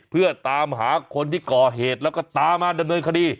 เพื่อตามหาคนที่ก่อเหตุแล้วก็ตามมาดำเนินคดี